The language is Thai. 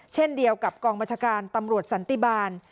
เช่นเดียวกับกองบัญชาการตำรวจสันติบาล